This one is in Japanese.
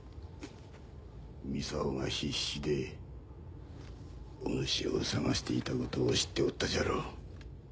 操が必死でお主を捜していたことを知っておったじゃろう。